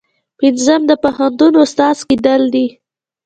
پنځم د پوهنتون استاد کیدل دي.